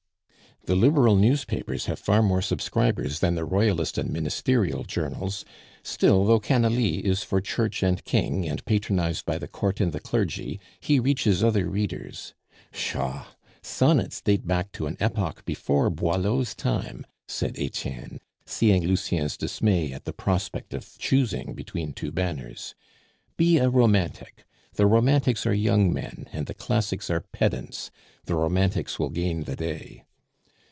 "The Liberal newspapers have far more subscribers than the Royalist and Ministerial journals; still, though Canalis is for Church and King, and patronized by the Court and the clergy, he reaches other readers. Pshaw! sonnets date back to an epoch before Boileau's time," said Etienne, seeing Lucien's dismay at the prospect of choosing between two banners. "Be a Romantic. The Romantics are young men, and the Classics are pedants; the Romantics will gain the day."